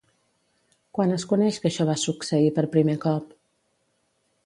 Quan es coneix que això va succeir per primer cop?